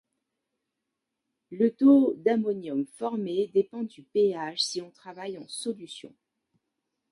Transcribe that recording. Le taux d'ammonium formé dépend du pH si on travaille en solution.